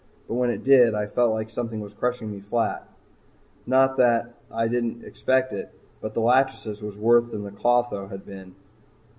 But when it did, I felt like something was crushing me flat. Not that I didn't expect it, but the "Lachesis" was worse than the "Clotho" had ever been.